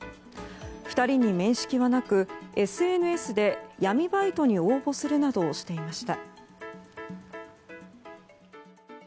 ２人に面識はなくＳＮＳで闇バイトに応募するなどしていました。